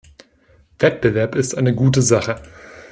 Wettbewerb ist eine gute Sache.